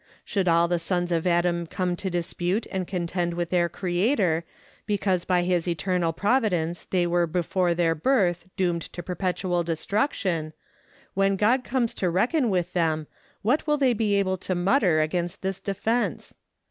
Should all the sons of Adam come to dispute and contend with their Creator, because by his eternal providence they were before their birth doomed to perpetual destruction: when God comes to reckon with them, what will they be able to mutter against this defense?